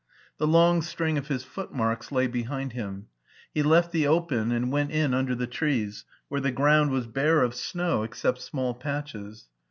The long string of his footmarks lay behind him. He left the open and went in under the trees, where the ground was bare of snow except small patches.